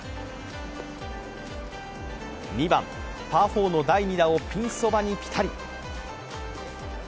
２番、パー４の第２打をピンそばにピタリ。